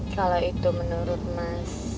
kalau itu menurut mas